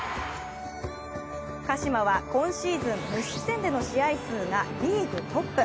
鹿島は今シーズン、無失点での試合数がリーグトップ。